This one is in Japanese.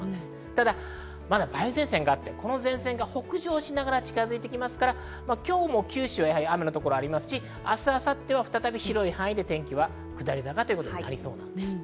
ただ、梅雨前線があって北上しながら近づいてきますから、今日も九州は雨の所ありますし、明日、明後日は再び広い範囲で天気は下り坂になりそうです。